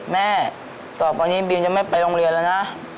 แม่ต่อไปนี้บีมจะไม่ไปโรงเรียนแล้วนะ